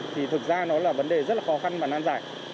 thì thực ra nó là vấn đề rất là khó khăn và nan giải